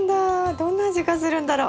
どんな味がするんだろ？